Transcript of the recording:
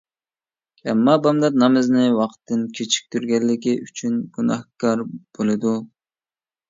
ئەمما بامدات نامىزىنى ۋاقتىدىن كېچىكتۈرگەنلىكى ئۈچۈن گۇناھكار بولىدۇ.